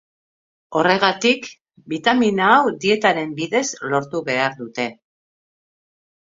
Horregatik, bitamina hau dietaren bidez lortu behar dute.